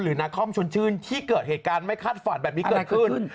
นาคอมชวนชื่นที่เกิดเหตุการณ์ไม่คาดฝันแบบนี้เกิดขึ้น